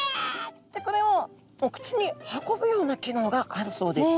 ってこれをお口に運ぶような機能があるそうです。